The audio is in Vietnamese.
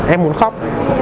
em muốn khóc